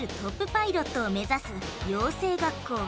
パイロットを目指す養成学校。